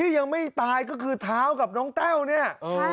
ยังไม่ตายก็คือเท้ากับน้องแต้วเนี่ย